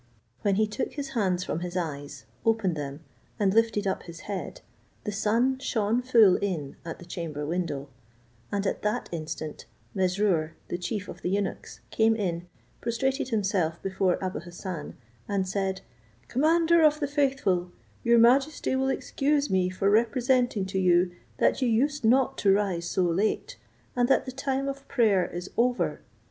When he took his hands from his eyes, opened them, and lifted up his head, the sun shone full in at the chamber window; and at that instant Mesrour, the chief of the eunuchs, came in, prostrated himself before Abou Hassan, and said, "Commander of the faithful, your majesty will excuse me for representing to you, that you used not to rise so late, and that the time of prayer is over.